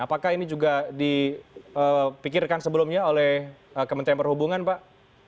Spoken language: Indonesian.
apakah ini juga dipikirkan sebelumnya oleh kementerian perhubungan pak